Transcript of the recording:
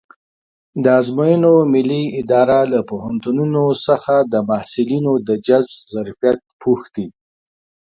د ازموینو ملي اداره له پوهنتونونو څخه د محصلینو د جذب ظرفیت پوښتي.